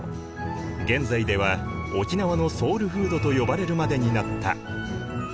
現在では沖縄のソウルフードと呼ばれるまでになった。